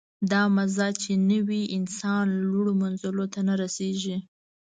دا مزاج چې نه وي، انسان لوړو منزلونو ته نه رسېږي.